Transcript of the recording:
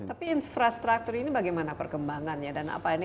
tapi infrastruktur ini bagaimana perkembangannya dan apa ini